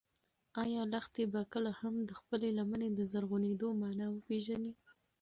ایا لښتې به کله هم د خپلې لمنې د زرغونېدو مانا وپېژني؟